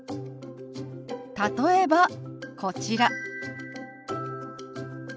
例えばこちら。